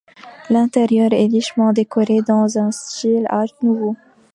L'intérieur est richement décoré dans un style Art nouveau.